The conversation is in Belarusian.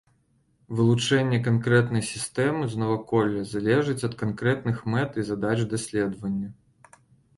Вылучэнне канкрэтнай сістэмы з наваколля залежыць ад канкрэтных мэт і задач даследавання.